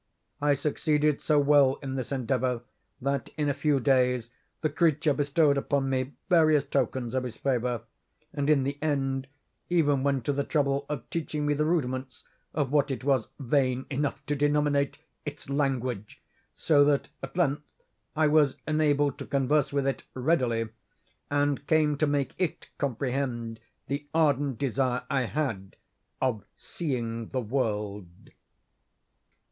I succeeded so well in this endeavor that, in a few days, the creature bestowed upon me various tokens of his favor, and in the end even went to the trouble of teaching me the rudiments of what it was vain enough to denominate its language; so that, at length, I was enabled to converse with it readily, and came to make it comprehend the ardent desire I had of seeing the world.